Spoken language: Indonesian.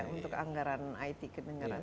untuk anggaran it kedengarannya